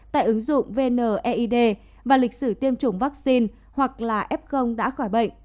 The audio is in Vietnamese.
tại ứng dụng vneid và lịch sử tiêm chủng vaccine hoặc là f đã khỏi bệnh